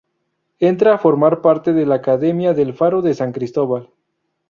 Entra a formar parte de la Academia del Faro de San Cristóbal.